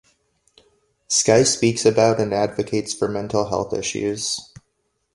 Sky speaks about and advocates for mental health issues.